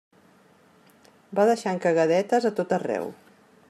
Va deixant cagadetes a tot arreu.